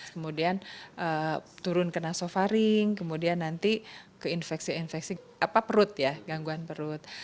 kemudian turun ke nasofaring kemudian nanti ke infeksi infeksi perut ya gangguan perut